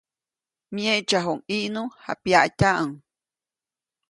Myeʼtsaʼuŋ ʼIʼnu, japyaʼtyaʼuŋ.